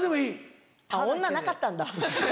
女なかったんだ。